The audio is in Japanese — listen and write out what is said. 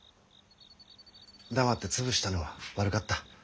黙って潰したのは悪かった。